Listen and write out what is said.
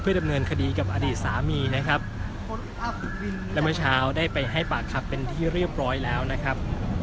ดำเนินคดีกับอดีตสามีนะครับและเมื่อเช้าได้ไปให้ปากคำเป็นที่เรียบร้อยแล้วนะครับ